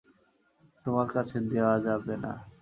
তোমার কাছে দেয়া যাবে না।